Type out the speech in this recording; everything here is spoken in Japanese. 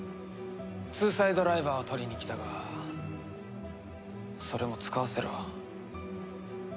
ツーサイドライバーを取りに来たがそれも使わせろ。